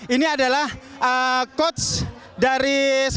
ini adalah coach dari